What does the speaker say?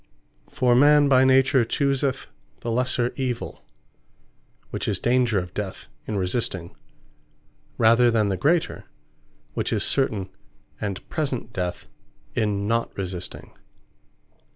For man by nature chooseth the lesser evill, which is danger of death in resisting; rather than the greater, which is certain and present death in not resisting.